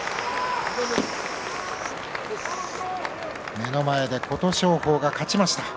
目の前で琴勝峰が勝ちました。